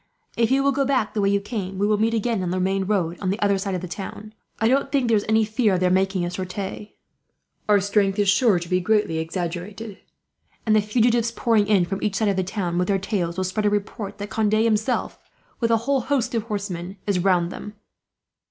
"If you will go back the way you came, we will meet again on the main road, on the other side of the town. I don't think there is any fear of their making a sortie. Our strength is sure to be greatly exaggerated; and the fugitives, pouring in from each side of the town with their tales, will spread a report that Conde himself, with a whole host of horsemen, is around them."